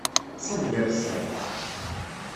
Ṣub d akessar.